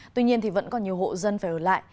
tuy nhiên thì vẫn còn nhiều hộ dân phải ở lại